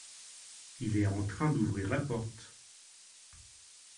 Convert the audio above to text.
Il est en train d’ouvrir la porte.